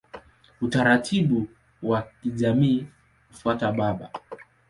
Utaratibu wa kijamii hufuata baba.